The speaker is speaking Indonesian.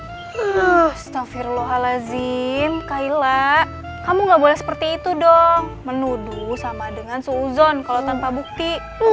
astaghfirullahaladzim kaila kamu nggak boleh seperti itu dong menuduh sama dengan suuzon kalau tanpa bukti